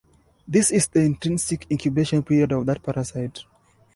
This is the intrinsic incubation period of that parasite.